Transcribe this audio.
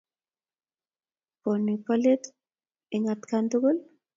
Pone polet eng' atkan tukul?